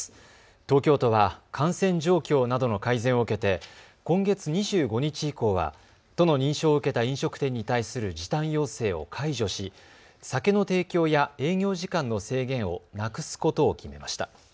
東京都は感染状況などの改善を受けて今月２５日以降は都の認証を受けた飲食店に対する時短要請を解除し酒の提供や営業時間の制限をなくすことを決めました。